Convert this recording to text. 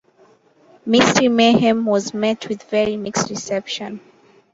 "Mystery Mayhem" was met with very mixed reception.